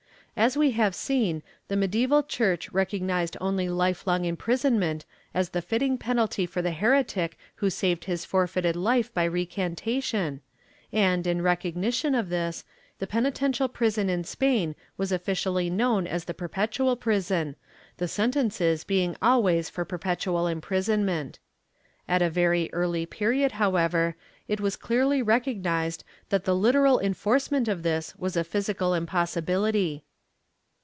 As we have seen, the medieval Church recognized only lifelong imprisonment as the fitting penalty for the heretic who saved his forfeited life by recantation and, in recognition of this, the penitential prison in Spain was officially known as the per petual prison, the sentences being always for perpetual imprison ment. At a very early period, however, it was clearly recognized that the literal enforcement of this was a physical impossibility.